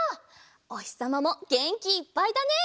おひさまもげんきいっぱいだね！